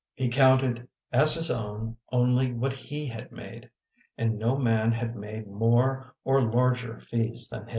He counted as his own only what he had made, and no man had made more or larger fees than he.